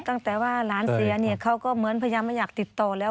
ตั้งแต่ว่าหลานเสียเนี่ยเขาก็เหมือนพยายามไม่อยากติดต่อแล้ว